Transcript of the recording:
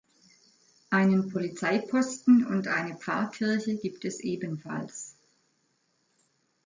Einen Polizeiposten und eine Pfarrkirche gibt es ebenfalls.